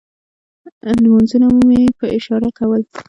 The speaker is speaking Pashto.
لمونځونه مې په اشارې کول.